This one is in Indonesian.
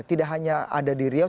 tidak hanya ada di riau